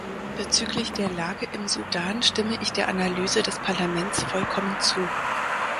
Bezüglich der Lage im Sudan stimme ich der Analyse des Parlaments vollkommen zu.